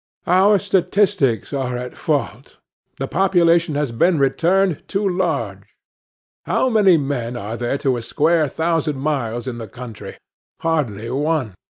Our statistics are at fault: the population has been returned too large. How many men are there to a square thousand miles in the country? Hardly one.